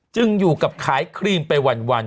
จึงอยู่กับขายครีมไปวันโว๊ย